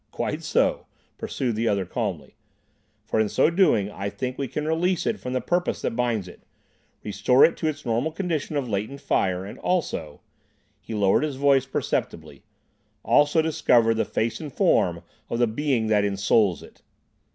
"Quite so," pursued the other calmly; "for in so doing I think we can release it from the purpose that binds it, restore it to its normal condition of latent fire, and also"—he lowered his voice perceptibly —"also discover the face and form of the Being that ensouls it."